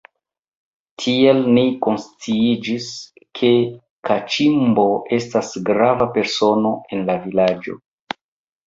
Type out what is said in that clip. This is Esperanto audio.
Tiel ni konsciiĝis, ke Kaĉimbo estas grava persono en la vilaĝo.